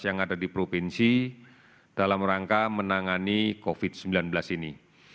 yang ada di provinsi dalam rangka menangani covid sembilan belas ini